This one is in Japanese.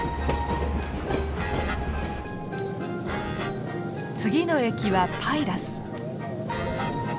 次の駅はパイラス。